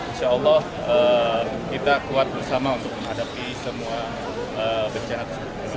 insya allah kita kuat bersama untuk menghadapi semua berjayaan